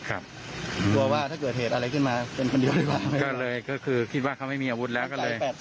ก็คือคิดว่าเขาไม่มีอาวุธแล้วก็เลย